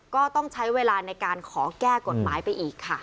ก็ต้องใช้เวลาในการขอแก้กฎหมายไปอีกค่ะ